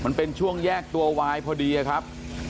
มันเป็นช่วงแยกตัววายพอดีครับ